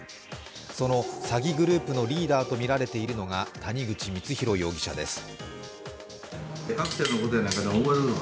その詐欺グループのリーダーとみられているのが谷口光弘容疑者です。